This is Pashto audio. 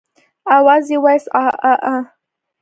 آواز يې واېست عاعاعا.